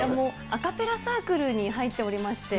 アカペラサークルに入っておりまして。